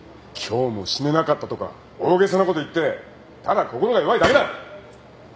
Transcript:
今日も死ねなかったとか大げさなこと言ってただ心が弱いだけだ。